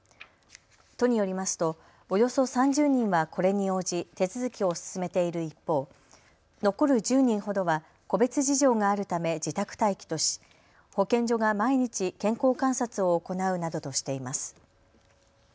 都によりますとおよそ３０人はこれに応じ手続きを進めている一方、残る１０人ほどは個別事情があるため自宅待機とし保健所が毎日、健康観察を行うなどとしています。